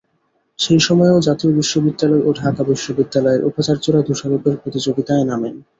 সেই সময়েও জাতীয় বিশ্ববিদ্যালয় ও ঢাকা বিশ্ববিদ্যালয়ের উপাচার্যরা দোষারোপের প্রতিযোগিতায় নামেন।